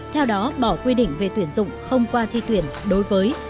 theo đó bỏ quy định về tuyển dụng không qua thi tuyển đối với